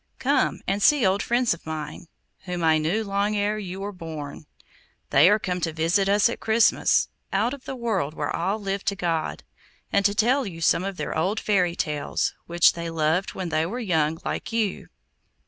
Come and see old friends of mine, whom I knew long ere you were born. They are come to visit us at Christmas, out of the world where all live to God; and to tell you some of their old fairy tales, which they loved when they were young like you.